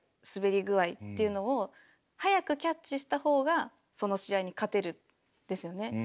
滑り具合っていうのを早くキャッチした方がその試合に勝てるんですよね。